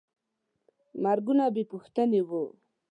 مرګونه بېپوښتنې وو.